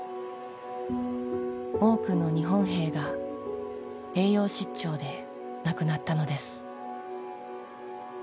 多くの日本兵が栄養失調で亡くなったのです。